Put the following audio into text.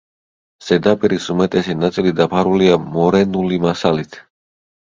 ზედაპირის უმეტესი ნაწილი დაფარულია მორენული მასალით.